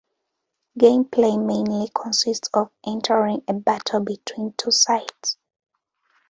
Gameplay mainly consists of entering a battle between two sides.